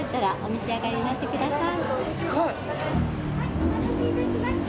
お待たせいたしました。